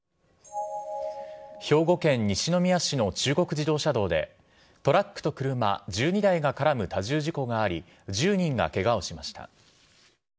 兵庫県西宮市の中国自動車道で、トラックと車１２台が絡む多重事故があり、１０人がけがをしました。